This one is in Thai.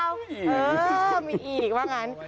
เออมีอีกบ้างอัน